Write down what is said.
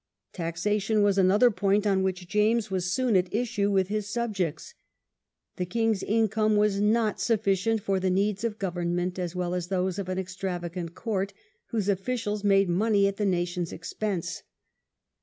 Taxation was another point on which James was soon , at issue with his subjects. The king's income was not Parliament Sufficient for the needs of government as well and taxation, as those of an extravagant court, whose officials made money at the nation's expense.